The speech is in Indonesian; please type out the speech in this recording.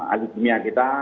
alih dunia kita